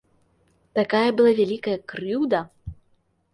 Такая была вялікая крыўда!